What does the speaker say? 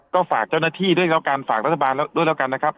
ก็ฝากเจ้าหน้าที่ด้วยแล้วกันฝากรัฐบาลแล้วด้วยแล้วกันนะครับ